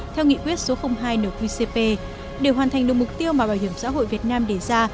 theo nghị quyết số hai nqcp để hoàn thành được mục tiêu mà bảo hiểm xã hội việt nam đề ra